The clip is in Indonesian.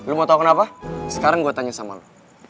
lo mau tau kenapa sekarang gue tanya sama lo